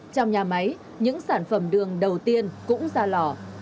trong nhà máy những sản phẩm đường đầu tiên cũng ra lò